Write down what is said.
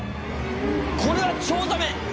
これはチョウザメ。